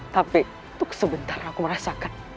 tapi untuk sebentar aku rasakan